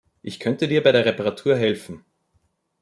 Ich könnte dir bei der Reparatur helfen.